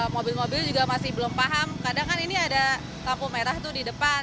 mobil mobil juga masih belum paham kadang kan ini ada lampu merah tuh di depan